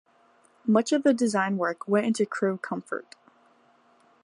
Much of the design work went into crew comfort.